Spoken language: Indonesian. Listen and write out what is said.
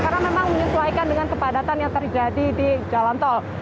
karena memang menyesuaikan dengan kepadatan yang terjadi di jalan tol